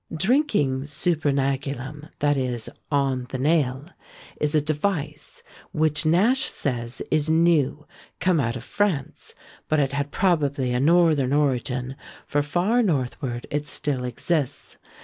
" Drinking super nagulum, that is, on the nail, is a device, which Nash says is new come out of France: but it had probably a northern origin, for far northward it still exists.